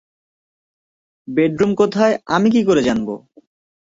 Bedroom কোথায় আমি কি করে জানবো?